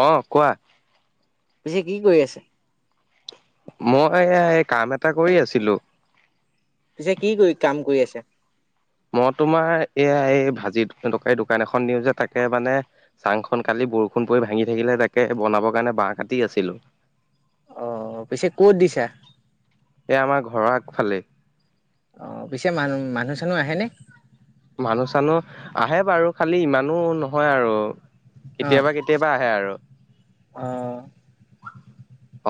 অ' কোৱা। পিছে কি কৰি আছে। মই এই কাম এটা কৰি আছিলোঁ। পিছে কি কৰি কাম কৰি আছে। মই তোমাৰ এইয়া এই ভাজি তকাৰী দোকান এখন দিও যে তাকে মানে- চাংখন কালি বৰষুণ পৰি ভাঙি থাকিলে। তাকে বনাবৰ কাৰণে বাহ কাটি আছিলোঁ। অ' অ' পিছে কত দিছা। এই আমাৰ ঘৰৰ আগফালে। অ' পিছে মানুহ মানুহ চানুহ আহেনে। মানুহ চানুহ আহে বাৰু খালি ইমানো নহয় আৰু- অ' কেতিয়াবা কেতিয়াবা আহে আৰু অ'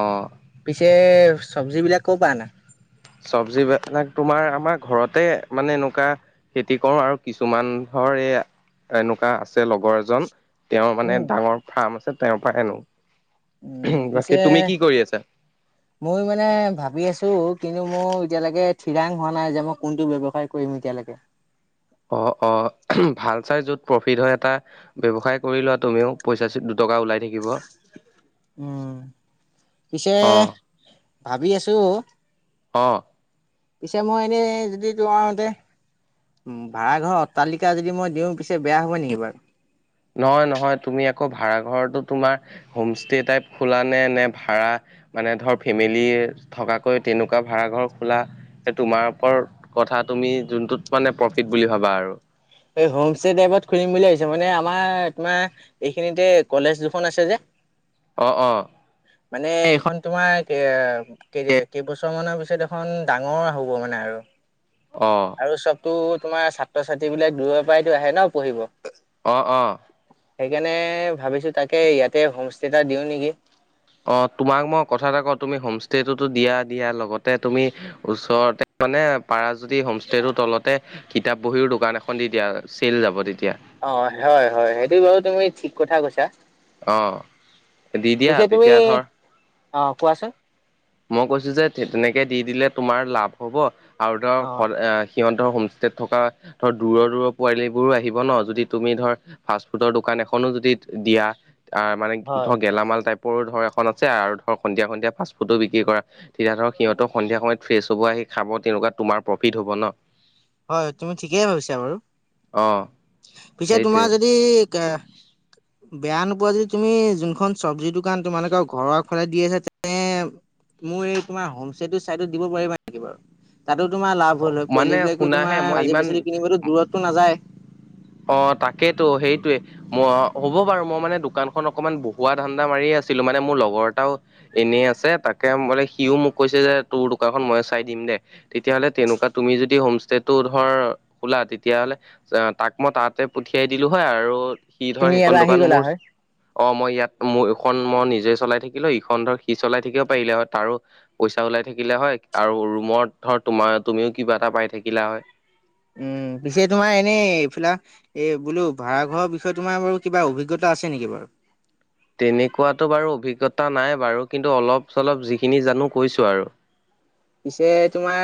অ'। পিছে চবজী বিলাক কৰ পৰা আনা। চব্জিাক তোমাৰ আমাৰ ঘৰতে মানে এনেকুৱা- খেতি কৰো আৰু কিছুমান ধৰ এ এনেকুৱা আছে লগৰ এজন- তেওঁৰ মানে উম, ডাঙৰ ফাৰ্ম আছে তেওঁৰ পৰা আনো। উম' বাকী তুমি পিছে- কি [inaudible] মই মানে ভাবি আছো, কিন্তু মোৰ এতিয়ালৈকে ঠিৰাং হোৱা নাই যে মই কোনটো ব্যৱসায় কৰিম। এতিয়ালৈকে- অ', অ' ভাল চাই য'ত প্ৰফিট হয় এটা ব্যয়ৱসায় কৰি লোৱা তুমিও পইচা দুটকা ওলাই থাকিব। উম, পিছে অ', ভাবি আছোঁ। অঁ পিছে মই এনেই যদি তোমাৰ তাতে ভাড়াৰ ঘৰৰ অট্টালিকা যদি মই দিওঁ পিছে বেয়া হ'ব নেকি বাৰু? নহয়, নহয় তুমি আকৌ ভাড়া ঘৰতো তোমাৰ হোম ষ্টে টাইপ খোলা নে নে ভাড়া মানে, ধৰ ফেমিলি থকাকৈ তেনেকুৱা ভাড়াঘৰ খোলা সেই তোমাৰ ওপৰত কথা, তুমি যোনটোত মানে প্ৰফিট বুলি ভাবা আৰু। এই হোম ষ্টে টাইপত খুলিম বুলি ভাবিছোঁ মানে আমাৰ তোমাৰ- এইখিনিতে কলেজ দুখন আছে যে। অ', অ'। মানে এইখন তোমাৰ তাকে, কেইবছৰ মানৰ পিছত এইখন ডাঙৰ হ'ব মানে আৰু অ'। আৰু চবতো তোমাৰ ছাত্ৰ ছাত্ৰী বিলাক দূৰৰ পৰাইতো আহে ন পঢ়িব। অ', অ'। সেইকাৰণে ভাবিছোঁ তাকে ইয়াতে হোম ষ্টে এটা দিওঁ নেকি? অ', তোমাক মই কথা এটা কওঁ তুমি হোমষ্টেটো দিয়া দিয়া লগতে তুমি ওচৰতে মানে পাৰা যদি হোমষ্টেটোৰ তলতে কিতাপ বহীৰও দোকান এখন দি দিয়া, চেল যাব তেতিয়া। অ', হয় হয় সেইটো বৰু তুমি কথা কৈছা। অ', দি দিয়া, পিছে তুমি তেতিয়া ধৰ- অ' কোৱাচোন? মই কৈছোঁ যে তেনেকে দি দিলে তোমাৰ লাভ হ'ব। আৰু ধৰ অ সদ সিহঁতৰ হোমষ্টে থকা ধৰ দূৰৰ দূৰৰ পোৱালিবোৰো আহিব ন, যদি তুমি ধৰ ফাষ্টফুডৰ দোকান এখনো যদি দিয়া। আহ' মানে হয়। গেলামাল টাইপৰো ধৰ এখন আছে, আৰু ধৰ সন্ধিয়া ফাষ্ট ফুডো বিক্ৰী কৰা। তেতিয়া ধৰ সিহঁতো সন্ধিয়া সময়ত ফ্ৰেছ হ'ব আহি খাব, তেনেকুৱাত তোমাৰ প্ৰফিট হ'ব ন। হয়, তুমি ঠিকেই ভাবিছা বাৰু। অঁ। পিছে তোমাৰ যদি কে বেয়া নোপোৱা যদি তুমি যোনখন চব্জিৰ দোকান তোমালোকৰ ঘৰৰফালে দি আছা তেনে মোৰ এই তোমাৰ হোম ষ্টেটো চাইদত দিব পাৰিবা নেকি বাৰু? তাতো তোমাৰ লাভ হ'ল হয়, মানে পোৱালী বিলাকে শুনাহে তোমাৰ মই ভাজি ইমান পাচলি কিনিবলৈ দূৰততো নাযায়। অ' তাকেইতো সেইটোৱে। মই হ'ব বাৰু মই মানে দোকানখন অকমান বহুৱা ধান্দা মাৰি আছিলো, মানে মোৰ লগৰ এটাও এনেই আছে তাকে বোলে সিও মোক কৈছে, যে তোৰ দোকানখন মই চাই দিম দে। তেতিয়াহ'লে তেনেকুৱা তুমি যদি হোমষ্টে টো ধৰ খোলা তেতিয়াহ'লে তাক মই তাতে পঠিয়াই দিলো হয়, আৰু সি ধৰ তুমি ইয়ালে সেইখন আহি দোকান গ'লা মোৰ হয়, অ' মই ইয়াত মোৰ এইখন মই নিজে চলাই থাকিলো, ইখন ধৰ সি চলাই থাকিব পাৰিলে হয়। তাৰো পইচা ওলাই থাকিলে হয়, আৰু ৰুমত ধৰ তোমাৰ তুমিও কিবা এটা পাই থাকিলা হয়। উম, পিছে তোমাৰ এনেই এইফিলা এই বোলো ভাড়াঘৰৰ বিষয়ে তোমাৰ কিবা অভিজ্ঞতা আছে নেকি বাৰু? তেনেকুৱাতো বাৰু অভিজ্ঞতা নাই বাৰু, কিন্তু অলপ-চলপ যিখিনি জানো কৈছোঁ আৰু। পিছে তোমাৰ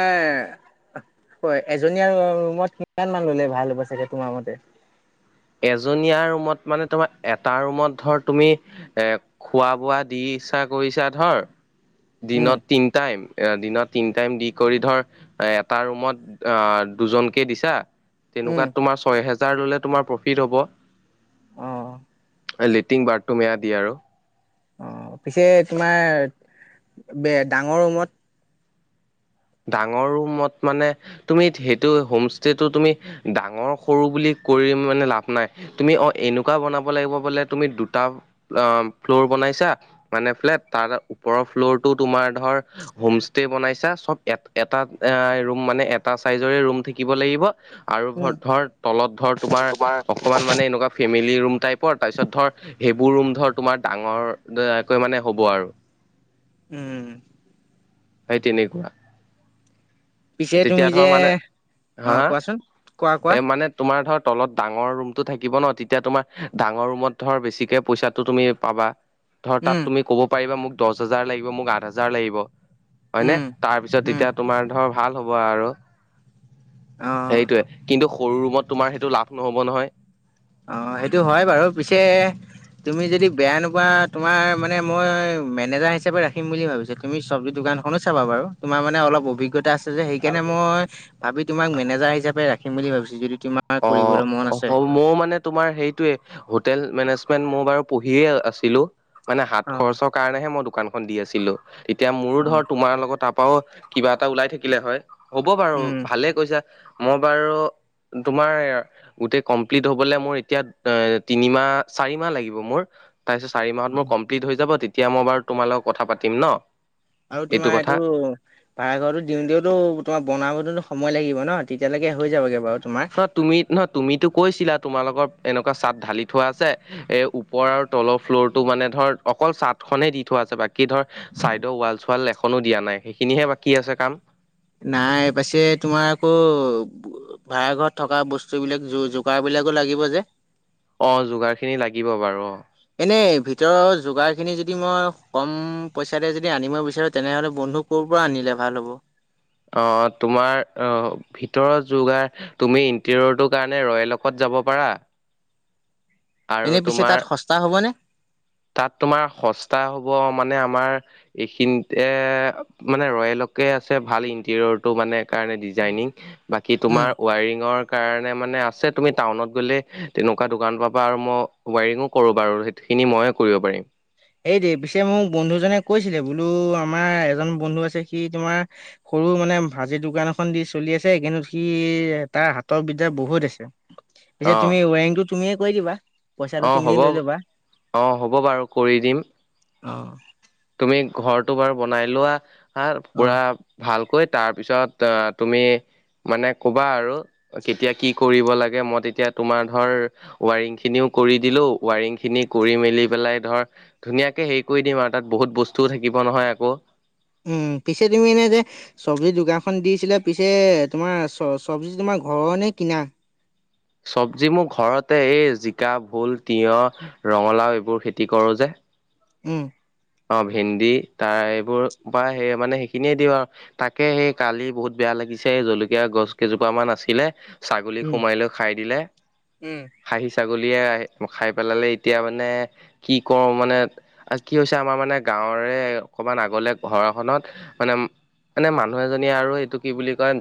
হয়, এজনীয়া ৰু-ৰুমত কিমান মান ল'লে ভাল হ'ব, চাগে তোমাৰ মতে। এজনীয়া ৰুমত মানে তোমাৰ, এটা ৰুমত ধৰ তুমি এ খোৱা-বোৱা দিছা কৰিছা ধৰ, উম, দিনত তিন টাইম এ দিনত তিনি টাইম দি কৰি ধৰ, এটা ৰুমত অ' দুজনকে দিছা উম, তেনেকুৱাত তোমাৰ ছয় হেজাৰ ল'লে, তোমাৰ প্ৰফিট হ'ব। অহ'। লেট্ৰিন, বথৰুম এয়া দিয়ে আৰু। অ' পিছে তোমাৰ বে, ডাঙৰ ৰুমত। ডাঙৰ ৰুমত মানে তুমি সেইটো হোম ষ্টেটো তুমি, ডাঙৰ সৰু বুলি কৰি মানে লাভ নাই। তুমি অ' এনেকুৱা বনাব লাগিব বোলে তুমি, দুটা অ' ফ্ল'ৰ বনাইছা মানে ফ্লেট, তাৰ ওপৰৰ ফ্ল'ৰটো তোমাৰ ধৰ হোমষ্টে বনাইছা চব এ-এটা এ ৰুম মানে, এটা চাইজৰে ৰুম থাকিব লাগিব আৰু উম, ধ-ধৰ তলত ধৰ তোমাৰ অকমান মানে এনেকুৱা ফেমিলি ৰুম টাইপৰ তাৰপিছত ধৰ, সেইবোৰ ৰুম ধৰ তোমাৰ ডাঙৰকৈ মানে হ'ব আৰু। উম, উম, উম। ভাই তেনেকুৱা। পিছে তুমি তেতিয়া যে ধৰ মানে হা, অ', কোৱাচোন কোৱা কোৱা এ মানে তোমাৰ ধৰ তলত ডাঙৰ ৰুমটো থাকিব ন, তেতিয়া তোমাৰ ডাঙৰ ৰুমত ধৰ বেছিকে পইচাটো তুমি পাবা ধৰ তাত উম, তুমি ক'ব পাৰিবা, মোক দহ হাজাৰ লাগিব মোক আঠ হাজাৰ লাগিব। হয়নে উম। তাৰ পিছত উম, তেতিয়া তোমাৰ ধৰ ভাল হ'ব আৰু, অ', সেইটোৱে। কিন্তু সৰু ৰুমত তোমাৰ সেইটো লাভ নহ'ব নহয়। অ' সেইটো হয় বাৰু পিছে। তুমি যদি বেয়া নোপোৱা, তোমাৰ মই মেনেজাৰ হিচাপে ৰাখিম বুলি ভাবিছো। তুমি চব্জি দোকানখনো চাবা বাৰু, তোমাৰ মানে অলপ অভিজ্ঞতা আছে যে সেইকাৰণে মই ভাবি তোমাক মেনেজাৰ হিচাপে ৰাখিম বুলি ভাবিছো, যদি তোমাক অ'হ, মইও মানে তোমাৰ সেইটোৱে হোটেল মেনেজমেণ্ট মই বাৰু পঢ়িএ আছিলো, মানে হাত অ', খৰচক কাৰণেহে মই দোকানখন দি আছিলো, এতিয়া মোৰো অ', ধৰ তোমাৰ লগত তাত পাও কিবা এটা ওলাই থাকিলে হয়, হ'ব বাৰু উম, ভালে কৈছা মই বাৰু তোমাৰ গোটেই কমপ্লিট হ'বলৈ মোৰ এতিয়া এ তিনিমাহ, চাৰি মাহ লাগিব মোৰ। তাৰপিছত চাৰি মাহত মোৰ কমপ্লিট হৈ যাব, তেতিয়া মই বাৰু তোমাৰ লগত কথা পাতিম ন। আৰু তোমাৰ এইটো ভাৰা ঘৰতো দিওঁ তেওটো তোমাৰ বনাবতো সময় লাগিব ন, তেতিয়ালৈকে হৈ যাবগে বাৰু তোমাৰ। ন তুমি নহ তুমিতো কৈছিলা তোমালোকৰ এনেকুৱা চাট ঢালি থোৱা আছে, এ ওপৰ আৰু তলৰ ফ্ল'ৰ টো মানে ধৰ অকল চাট খনেই দি থোৱা আছে বাকী বাকী ধৰ চাইদৰ ৱাল-চুৱাল এখনো দিয়া নাই, সেইখিনিহে বাকী আছে কাম। নাই পাছে, তোমাৰ আকৌ ভাড়া ঘৰত থকা বস্তু বিলাক য-যোগাৰ বিলাকো লাগিব যে। অ', যোগাৰখিনি লাগিব বাৰু, অ'। এনেই ভিতৰৰ যোগাৰখিনি যদি মই কম পইচাতে যদি আনিব বিচাৰোঁ, তেনেহ'লে বন্ধুক ক'ৰ পৰা আনিলে ভাল হ'ব? আহ তোমাৰ আহ ভিতৰৰ যোগাৰ তুমি ইণ্টেৰিয়ৰটোৰ কাৰণে ৰয়েলকত যাব পাৰা। আৰু এনে পিছে তোমাৰ তাত সস্তা হ'বনে? তাত তোমাৰ সস্তা হ'ব মানে আমাৰ এইখিনিতে মানে ৰয়েলকে আছে ভাল ইণ্টেৰিয়ৰটো মানে কাৰণে ডিজাইনিং বাকী উম তোমাৰ ৱায়ৰিঙৰ কাৰণে মানে আছে তুমি টাউনত গ'লে তেনেকুৱা দোকান পাবা আৰু ম ৱায়ৰিঙো কৰোঁ বাৰু সেইখিনি মইয়ে কৰিব পাৰিম। এই দেই পিছে মোক বন্ধুজনে কৈছিলে বোলো আমাৰ এজন বন্ধু আছে সি তোমাৰ সৰু মানে ভাজিৰ দোকান এখন দি চলি আছে কিন্তু সি তাৰ হাতৰ বিদ্যা বহুত আছে। পিছে তুমি ৱেৰিংটো তুমিয়ে কৰি দিবা। পইচাটো অঁ তুমিয়ে হ'ব লৈ ল'বা অ অঁ হ'ব বাৰু কৰি দিম। অ। তুমি ঘৰটো বাৰু বনাই লোৱা হা পুৰা ভালকৈ তাৰপিছত আহ তুমি মানে কবা আৰু কেতিয়া কি কৰিব লাগে মই তেতিয়া তোমাৰ ধৰ ৱাইৰিং খিনিও কৰি দিলো ৱাৰইং খিনি কৰি মেলি পেলাই ধৰ ধুনীয়াকে হেৰি কৰি দিম আৰু তাত বহুত বস্তুও থাকিব নহয় আকৌ। উম পিছে তুমি এনে যে চব্জি দোকানখন দিছিলে পিছে তোমাৰ চ চব্জি তোমাৰ ঘৰৰ নে কিনা? চবজি মোৰ ঘৰতে এই জিকা ভোল তিয়হ ৰঙালাও এইবোৰ খেতি কৰো যে উম। অ ভেন্দি তাৰ এইবোৰ পৰা সেই মানে সেইখিনিয়ে দিওঁ আৰু তাকে সেই কালি বহুত বেয়া লাগিছে জলকীয়া গছ কেইজোপা মান আছিলে ছাগলী উম, সোমাই লৈ খাই দিলে খাহী ছাগলীয়ে আহ খাই পেলালে এতিয়া মানে কি কৰো মানে কি হৈ ছে আমাৰ মানে গাঁৱৰে অকমান আগলে ঘৰখনত মানে মানে মানুহ এজনীয়ে আৰু এইটো কি বুলি কয়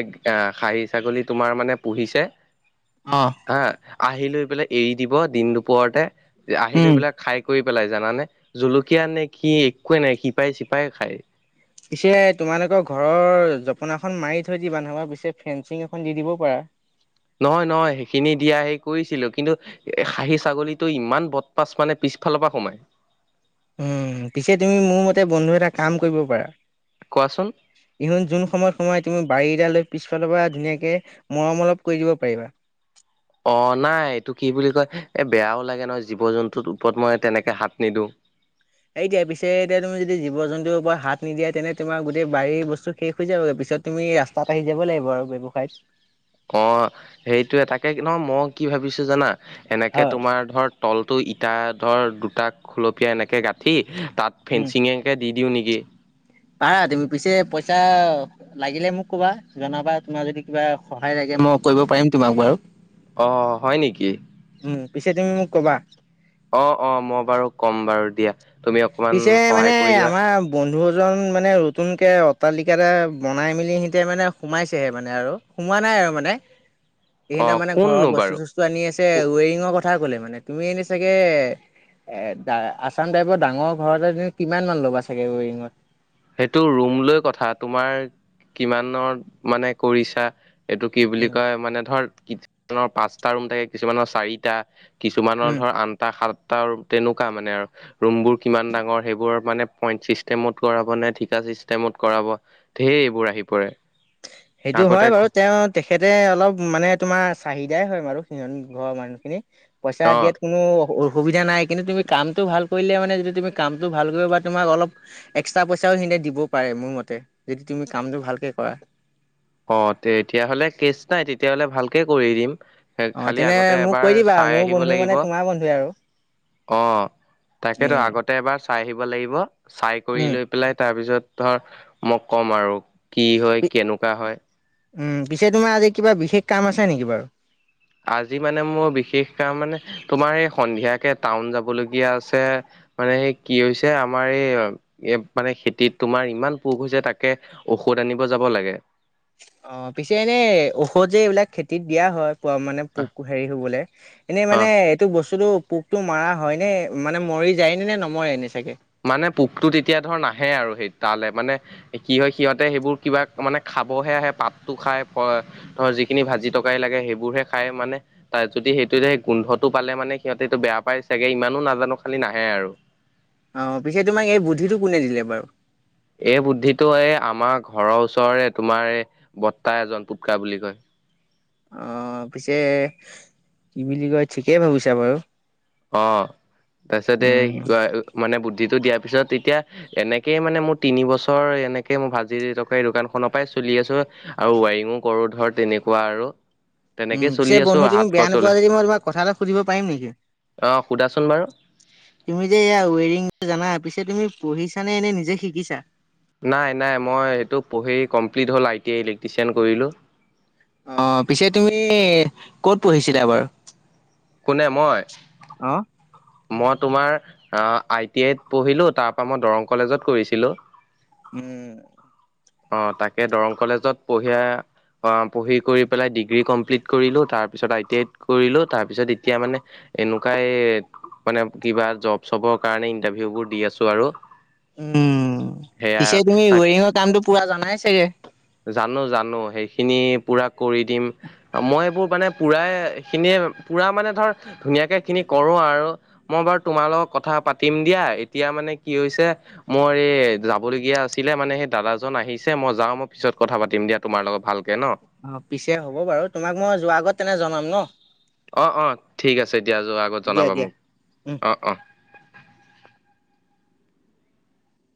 এ খাহী ছাগলী তোমাৰ মানে পুহিছে অ হা আহি লৈ পেলাই এৰি দিব দিন দুপৰতে আহি উম। লৈ পেলাই খাই শেষ কৰি পেলাই জানানে জলকীয়া নে কি একোৱে নাই শিপাই চিপাই খাই পিছে তোমালোকৰ ঘৰৰ জপনাখন মাৰি থৈ দিবা নহলে পিছে ফেঞ্চিং এখন দি দিবও পাৰা। নহয় নহয় সেইখিনি দিয়া সেই কৰিছিলো কিন্তু এ খাহী ছাগলীটো ইমান বদমাছ মানে পিছফালৰ পৰা সোমাই উম পিছে তুমি মোৰ মতে বন্ধু এটা কাম কৰিব পাৰা। কোৱাচোন। ইহুন যোন সময়ত সোয়াই তুমি বাৰী এডাল লৈ পিছফালৰ পৰা ধুনীয়াকৈ মৰম অলপ কৰি দিব পাৰিবা। অ' নাই এইটো কি বুলি কয় এই বেয়াও লাগে নহয় জীৱ জন্তুৰ ওপৰত মই তেনেকে হাত নিদিওঁ। সেইটোৱে পিছে এতিয়া তুমি যদি জীৱ জন্তুৰ ওপৰত হাত নিদিয়া তেনে তোমাৰ গোটেই বাৰী বস্তু শেষ হৈ যাবগে পিছত তুমি ৰাস্তাত আহি যাব লাগিব আৰু ব্যৱসায়ত। অ' সেইটোয়ে তাকে নহ মই কি ভাবিছো জানা এনেকে হয়, তোমাৰ ধৰ তলটো ইটা ধৰ দুটা খুলপীয়া এনেকে গাঁঠি তাত উম। ফেঞ্চি ঙে দি দিওঁ নেকি। পাৰা তুমি পিছে পইচা লাগিলে মোক কবা জনাবা, তোমাৰ যদি কিবা সহায় লাগে মই কৰিব পাৰিম তোমাক বাৰু। অ' হয় নেকি? উম পিছে তুমি মোক কবা। অ অ মই বাৰু ক'ম বাৰু দিয়া। তুমি অকমান পিছে সহায় মানে কৰি দিবা আমাৰ বন্ধু এজন মানে নতুনকৈ অট্ৰালিকা এটা বনাই মেলি সিহঁতে মানে সোমাইছেহে মানে আৰু। সোমোৱা নাই আৰু মানে। অ এইখিনিতে মানে ঘৰৰ কোননো বস্তু বাৰু? চস্তু আনি আছে কো- ওৱেৰিঙৰ কথা ক'লে মানে তুমি এনে চাগে এ আচামটাইপৰ ডাঙৰ ঘৰতে কিমান মান ল'বা চাগে ওৱেৰিঙত? সেইটো ৰুম লৈ কথা তোমাৰ কিমানৰ মানে কৰিছা। এইটো কি বুলি উম কয় মানে ধৰ কিছুমানৰ পাঁচটা ৰুম থাকে কিছুমানৰ চাৰিটা কিছুমানৰ উম ধৰ আন সাতটা তেনেকুৱা মানে আৰু। ৰুমবোৰ কিমান ডাঙৰ সেইবোৰ মানে পইন্ট চিষ্টেমত কৰা ঠিকা চিষ্টেমত কৰাব, ধেৰ এইবোৰ আহি পৰে। সেইটো হয় আগতে বাৰু তেওঁ তেখেতে অলপ মানে তোমাৰ চাহিদাই হয় বাৰু সিহঁতৰ ঘৰৰ মানুহখিনি, পইচা অ দিয়াত কোনো অসুবিধা নাই, কিন্তু তুমি কামটো ভাল কৰিলে মানে যিতো তুমি কামটো ভাল কৰিব পাৰা তোমাক অলপ এক্সট্ৰা পইচাও সিনতে দিব পাৰে মোৰ মতে যদি তুমি কামটো ভালকে কৰা। অ' তেতিয়াহ'লে কেচ নাই তেতিয়াহ'লে ভালকে কৰি দিম। সেই অ' খালি তেনে আগতে মোক কৈ এবাৰ দিবা চাই মোৰ আহিব বন্ধু মানে লাগিব। তোমাৰ বন্ধুৱে আৰু অ তাকেতো উম, আগতে এবাৰ চাই আহিব লাগিব, চাই কৰি উম। লৈ পেলাই তাৰ পিছত ধৰ মই ক'ম আৰু কি হয় কেনেকুৱা হয়। পিছে তোমাৰ আজি কিবা বিশেষ কাম আছে নেকি বাৰু? আজি মানে মোৰ বিশেষ কাম মানে তোমাৰ এই সন্ধিয়াকে টাউন যাবলগীয়া আছে। মানে সেই কি হৈছে আমাৰ এই মানে খেতিত তোমাৰ ইমান পোক হৈছে তাকে ঔষধ আনিব যাব লাগে। অ পিছে এনে ঔষধ যে এইবিলাক খেতিত দিয়া হয় পোৱা মানে পোক হেৰি হ'বলে, এনেই অ মানে এইটো বস্তুতটো পোকটো মাৰা হয়নে? মানে মৰি যায়নে নে নমৰে এনে চাগে? মানে পোকটো তেতিয়া ধৰ নাহে আৰু সেই তালৈ মানে কি হয় সিহঁতে সেইবোৰ কিবা মানে খাবহে আহে পাতটো খায় ধৰ যিখিনি ভাজি টকাৰি লাগে সেইবোৰহে খায় মানে তাত যদি সেইটোৱে সেই গোন্ধটো পালে মানে সিহঁতে এতো বেয়া পায় চাগে ইমানো নাজানো খালি নাহে আৰু। অ পিছে তোমাক এই বুদ্ধিটো কোনে দিলে বাৰু? এই বুদ্ধিটো এই আমাৰ ঘৰৰ ওচৰৰে তোমাৰ এই বৰ্তা এজন পুটকা বুলি কয়। অ পিছে তুমি কি কয় ঠিকেই ভাবিছা বাৰু। অ তাৰপিছত এই উম, মানে বুদ্ধিটো দিয়াৰ পিছত এতিয়া এনেকেই মানে মোৰ তিন বছৰ এনেকে মই ভাজিৰটকাৰি দোকান খনৰ পৰাই চলি আছো। আৰু ৱাইৰিঙো কৰো ধৰ তেনেকুৱা আৰু। উম তেনেকেই পিছে চলি আছো বন্ধু তুমি হাত মোক বেয়া খৰচলে নোপোৱা যদি মই তোমাক কথা এটা সুধিব পাৰিম নেকি? অ সুধা চোন বাৰু। তুমি যে এইয়া ৱায়াৰিং জানা, পিছে তুমি পঢ়িছা নে এনেই নিজে শিকিছা? নাই নাই মই এইটো পঢ়ি কমপ্লিট হ'ল আই টি আই ইলেক্ট্ৰিচিয়ান কৰিলোঁ। অ পিছে তুমি ক'ত পঢ়িছিলা বাৰু? কোনে মই? অ। মই তোমাৰ আই টি আইত পঢ়িলো তাৰ পৰা মই দৰং কলেজত কৰিছিলো। উম। অ তাকে দৰং কলেজত পহিয়া অ পঢ়ি কৰি পেলাই ডিগ্ৰী কমপ্লিট কৰিলোঁ, তাৰ পিছত আইটিআই কৰিলোঁ, তাৰ পিছত এতিয়া মানে এনেকুৱাই এই মানে কিবা জব-চবৰ কাৰণে ইণ্টাৰভিউবোৰ দি আছোঁ আৰু। উম সেয়া পিছে তুমি তাক ৱায়াৰিঙৰ কামটো পুৰা জানা নে চাগে? জানো জানে সেইখিনি পুৰা কৰি দিম। মই এইবোৰ মানে পুৰাইখিনিয়েই পুৰা মানে ধুনীয়াকৈখিনি কৰোঁ আৰু। মই বাৰু তোমাৰ লগত কথা পাতিম দিয়া, এতিয়া মানে কি হৈছে মই এই যাবলগীয়া আছিলোঁ মানে সেই দাদাজন আহিছে মই যাওঁ মই পিছত কথা পাতিম দিয়া তোমাৰ লগত ভালকৈ ন। অ পিছে হ'ব বাৰু তোমাক মই যোৱা আগত তেনে জনাম ন। অ অ ঠিক আছে দিয়া যোৱা আগত দিয়া জনাবা দিয়া মোক, উম। অ অ।